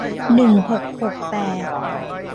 หนึ่งหกหกแปด